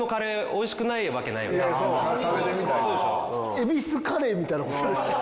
恵比寿カレーみたいな事でしょ？